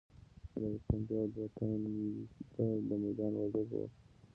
د ډایکنډي او دوه تنه د میدان وردګو وو.